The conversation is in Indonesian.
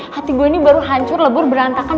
hati gue ini baru hancur lebur berantakan